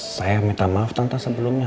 saya minta maaf tante sebelumnya